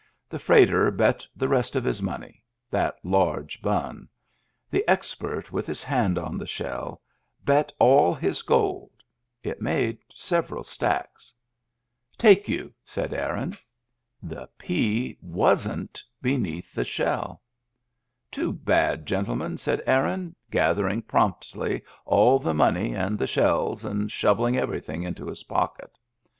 The freighter bet the rest of his money — that large bun. The expert, with his hand on the shell, bet 'dl his gold — it made several stacks. Digitized by Google EXTRA DRY 221 " Take you," said Aaron. The pea wasn't beneath the shell I " Too bad, gentlemen," said Aaron, gathering promptly all the money and the shells, and shov ing everything into his pockets.